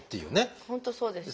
本当そうですよね。